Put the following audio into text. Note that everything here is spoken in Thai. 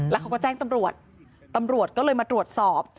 แล้วเขาก็แจ้งตำรวจตำรวจก็เลยมาตรวจสอบ